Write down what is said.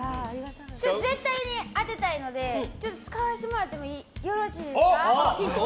絶対に当てたいので使わせてもらってもよろしいですか。